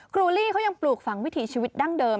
ครูลี่เขายังปลูกฝังวิถีชีวิตดั้งเดิม